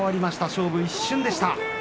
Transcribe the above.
勝負は一瞬でした。